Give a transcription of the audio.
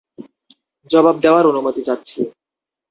জবাব দেওয়ার অনুমতি চাচ্ছি।